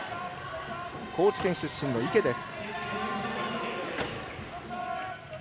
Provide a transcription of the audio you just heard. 高知県出身の池です。